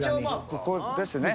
ここですね。